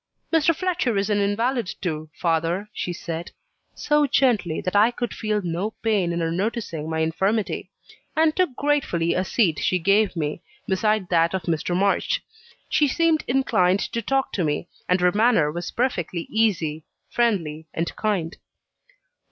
"Mr. Fletcher is an invalid too, father," she said; so gently, that I could feel no pain in her noticing my infirmity; and took gratefully a seat she gave me, beside that of Mr. March. She seemed inclined to talk to me; and her manner was perfectly easy, friendly, and kind.